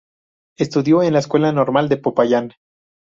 Estudió en la escuela normal de Popayán.